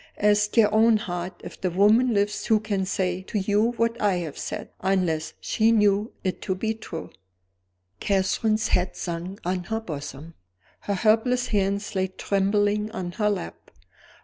Ask your own heart if the woman lives who can say to you what I have said unless she knew it to be true." Catherine's head sank on her bosom; her helpless hands lay trembling on her lap.